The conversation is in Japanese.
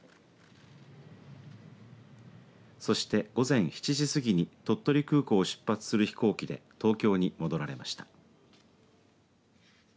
そして、午前７時過ぎに鳥取空港を出発する飛行機で東京に戻られました。